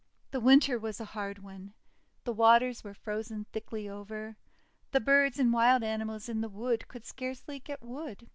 The Winter was a hard one. The waters were frozen thickly over. The birds and wild animals in the wood could scarcely get food.